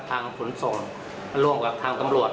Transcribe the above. ขนส่งร่วมกับทางตำรวจ